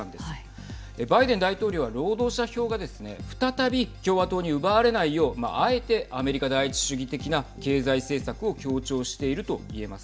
バイデン大統領は労働者票がですね再び共和党に奪われないようあえてアメリカ第一主義的な経済政策を強調していると言えます。